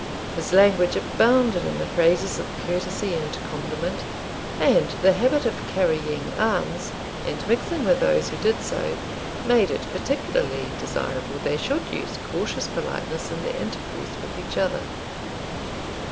His language abounded in the phrases of courtesy and compliment; and the habit of carrying arms, and mixing with those who did so, made it particularly desirable they should use cautious politeness in their intercourse with each other.